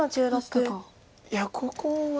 いやここは。